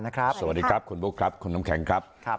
สวัสดีครับคุณบุ๊คครับคุณน้ำแข็งครับ